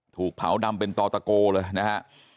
ถูกเผาดำเป็นต่อตะโกเลยนะฮะ